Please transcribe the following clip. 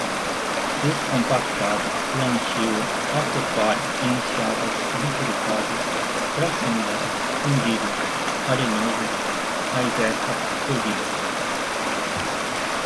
descompactar, plantio, afofar, enxadas, bifurcados, tracionados, fundido, arenoso, aiveca, polidas